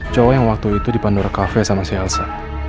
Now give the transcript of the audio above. cowok yang waktu itu dipandora cafe sama si elsa